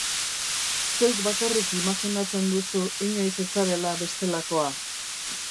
Zeuk bakarrik imajinatzen duzu inoiz ez zarela bestelakoa.